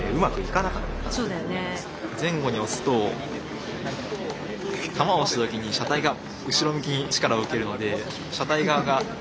前後に押すと玉を押した時に車体が後ろ向きに力を受けるので車体側が安定するかどうか。